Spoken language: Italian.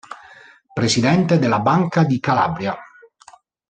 Presidente della Banca di Calabria.